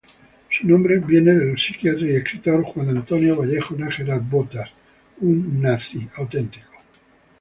Su nombre viene del psiquiatra y escritor Juan Antonio Vallejo-Nágera Botas.